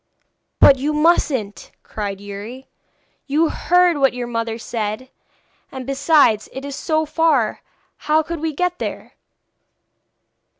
'But you mustn't,' cried Youri. 'You heard what your mother said. And, besides, it is so far; how could we get there?'